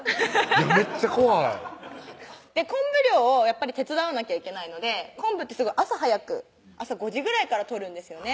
めっちゃ怖い昆布漁を手伝わなきゃいけないので昆布ってすごい朝早く朝５時ぐらいから採るんですよね